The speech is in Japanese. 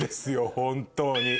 本当に。